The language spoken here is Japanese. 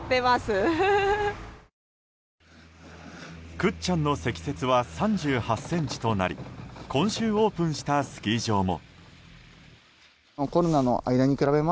倶知安の積雪は３８ｃｍとなり今週オープンしたスキー場も。